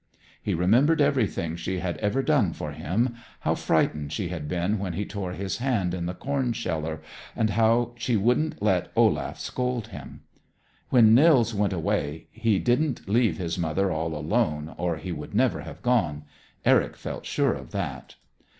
He remembered everything she had ever done for him: how frightened she had been when he tore his hand in the corn sheller, and how she wouldn't let Olaf scold him. When Nils went away he didn't leave his mother all alone, or he would never have gone. Eric felt sure of that.